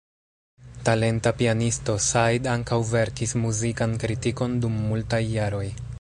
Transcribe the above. Talenta pianisto, Said ankaŭ verkis muzikan kritikon dum multaj jaroj.